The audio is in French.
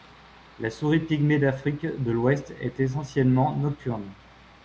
La souris pygmée d'Afrique de l'ouest est essentiellement nocturne.